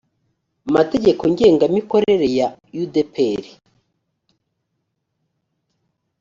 mategeko ngengangamikorere ya u d p r